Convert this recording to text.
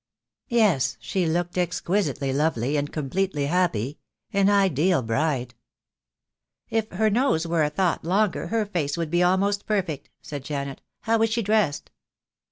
"Yes, she looked exquisitely lovely, and completely happy — an ideal bride." "If her nose were a thought longer her face would be almost perfect," said Janet. "How was she dressed?"